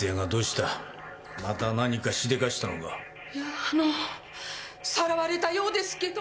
いやあのさらわれたようですけど。